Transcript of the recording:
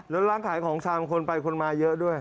แล้วร้านขายของชามคนไปคนมาเยอะด้วย